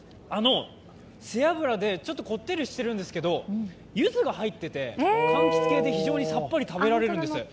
背脂でちょっとこってりしてるんですけどゆずが入ってて、柑橘系で非常にさっぱりと食べられるんです。